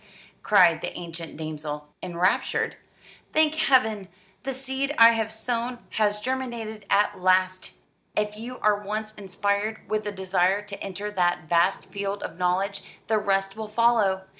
cried the ancient damsel, enraptured. "Thank Heaven! the seed I have sown has germinated at last. If you are once inspired with the desire to enter that vast field of knowledge, the rest will follow.